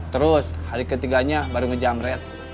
terus hari ketiganya baru ngejamret